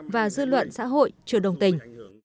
và dư luận xã hội chưa đồng tình